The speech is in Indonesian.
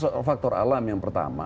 tidak hanya tentang banjir